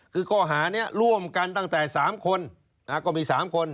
คือข้อหานี้ร่วมกันตั้งแต่๓คนก็มี๓คน